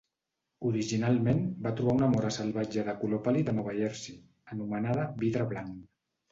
Originalment, va trobar una mora salvatge de color pàl·lid a Nova Jersey, anomenada "Vidre blanc".